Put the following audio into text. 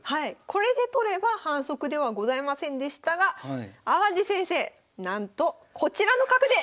これで取れば反則ではございませんでしたが淡路先生なんとこちらの角で。